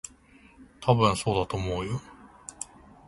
たぶん、そうだと思うよ。